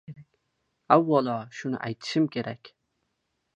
— Avvalo, shuni aytishim kerak